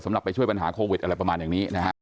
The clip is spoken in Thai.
ไปช่วยปัญหาโควิดอะไรประมาณอย่างนี้นะฮะ